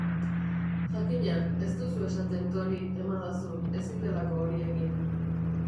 Jakina, ez duzu esaten Tori, emadazu, ezin delako hori egin.